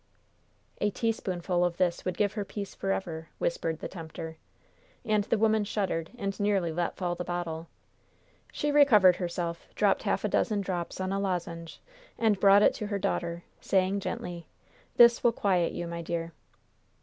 "A teaspoonful of this would give her peace forever," whispered the tempter. And the woman shuddered, and nearly let fall the bottle. She recovered herself, dropped half a dozen drops on a lozenge, and brought it to her daughter, saying gently: "This will quiet you, my dear."